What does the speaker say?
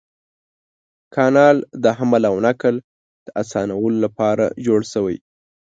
کانال د حمل او نقل د اسانولو لپاره جوړ شوی.